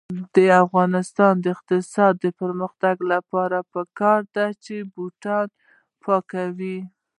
د افغانستان د اقتصادي پرمختګ لپاره پکار ده چې بوټ پاک وي.